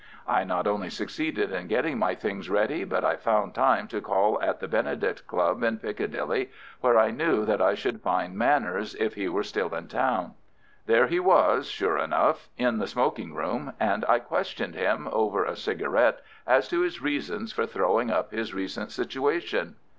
I not only succeeded in getting my things ready, but I found time to call at the Benedict Club in Piccadilly, where I knew that I should find Manners if he were still in town. There he was sure enough in the smoking room, and I questioned him, over a cigarette, as to his reasons for throwing up his recent situation.